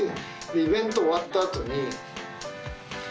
イベント終わった後に。